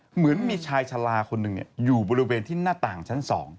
เหมือนมีชายชะลาคนหนึ่งอยู่บริเวณที่หน้าต่างชั้น๒